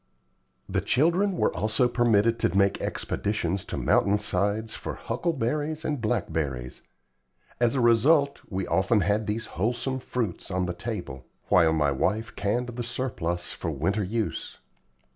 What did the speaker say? The children were also permitted to make expeditions to mountain sides for huckleberries and blackberries. As a result, we often had these wholesome fruits on the table, while my wife canned the surplus for winter use.